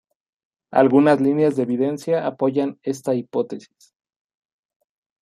Algunas líneas de evidencia apoyan esta hipótesis.